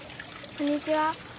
こんにちは。